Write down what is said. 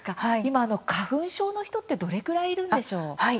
今、花粉症の人ってどれくらいいるんでしょう？